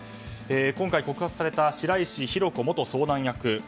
今回告発された白石浩子元相談役。